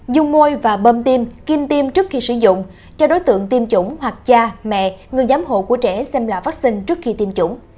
dùng môi và bơm tiêm kim tiêm trước khi sử dụng cho đối tượng tiêm chủng hoặc cha mẹ người giám hộ của trẻ xem lại vắc xin trước khi tiêm chủng